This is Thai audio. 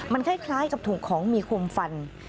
มันคล้ายกับถูกของมีคมฟัน